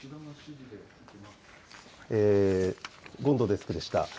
権藤デスクでした。